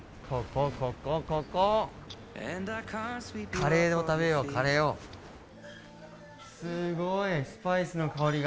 カレーを食べよう、カレーをすごい、スパイスの香りが。